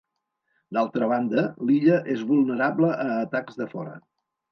D'altra banda, l'illa és vulnerable a atacs de fora.